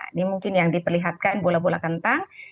ini mungkin yang diperlihatkan bola bola kentang